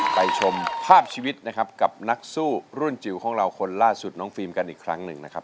ชมภาพชีวิตนะครับกับนักสู้รุ่นจิ๋วของเราคนล่าสุดน้องฟิล์มกันอีกครั้งหนึ่งนะครับ